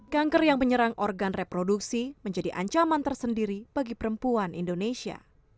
kanker yang menyerang organ reproduksi menjadi ancaman tersendiri bagi perempuan indonesia